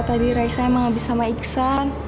jadi raisa emang abis sama iksan